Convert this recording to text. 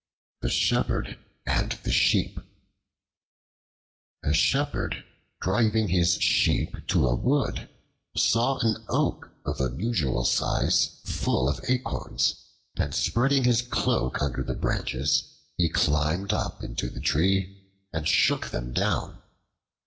The Shepherd and the Sheep A SHEPHERD driving his Sheep to a wood, saw an oak of unusual size full of acorns, and spreading his cloak under the branches, he climbed up into the tree and shook them down.